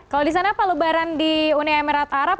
kalau di sana apa lebaran di uni emirat arab